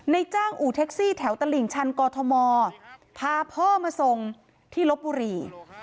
จ้างอู่แท็กซี่แถวตลิ่งชันกอทมพาพ่อมาส่งที่ลบบุรี